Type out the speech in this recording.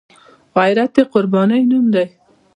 غیرت د قربانۍ نوم دی